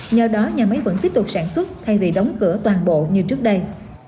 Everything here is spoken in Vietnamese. nhờ đó nhà máy vẫn tiếp tục sản xuất thay vì đóng cửa toàn bộ như trước đây